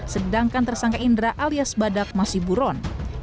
sedangkan tersangka indra alias badak masih buron